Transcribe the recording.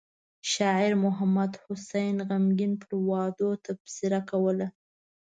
شاعر محمد حسين غمګين پر وعدو تبصره کوله.